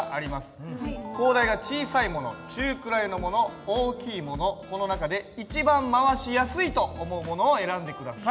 高台が小さいもの中くらいのもの大きいものこの中で一番回しやすいと思うものを選んで下さい。